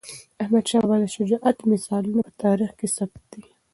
احمدشاه بابا د شجاعت مثالونه په تاریخ کې ثبت دي.